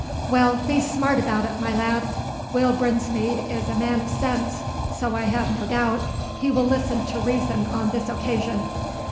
"Well, be smart about it, my lad. Will Brinsmead is a man of sense, so I have no doubt he will listen to reason on this occasion.